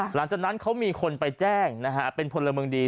หลังจากนั้นเขามีคนไปแจ้งนะฮะเป็นพลเมืองดี